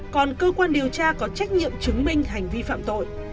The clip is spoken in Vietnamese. còn cơ quan điều tra có trách nhiệm chứng minh hành vi phạm tội